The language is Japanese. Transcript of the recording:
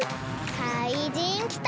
かいじんきた。